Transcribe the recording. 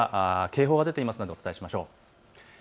警報が出ているのでお伝えしましょう。